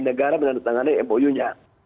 negara yang menandatangani emoyunya